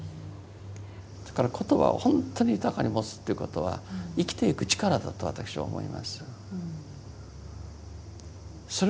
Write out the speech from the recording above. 言葉をほんとに豊かに持つということは生きていく力だと私は思います。